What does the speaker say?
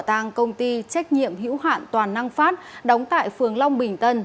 tàng công ty trách nhiệm hữu hạn toàn năng phát đóng tại phường long bình tân